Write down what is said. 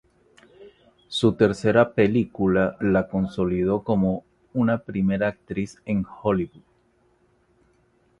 Su tercera película la consolidó como una primera actriz en Hollywood.